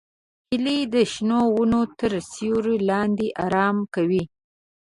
هیلۍ د شنو ونو تر سیوري لاندې آرام کوي